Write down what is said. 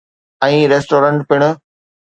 ۽ Restaurant پڻ.